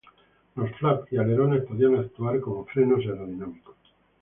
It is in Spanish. Los flaps y alerones podían actuar como frenos aerodinámicos.